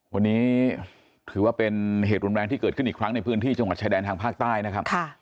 วันนี้ถือว่าเป็นเหตุรุนแรงที่เกิดขึ้นอีกครั้งในพื้นที่จังหวัดชายแดนทางภาคใต้นะครับ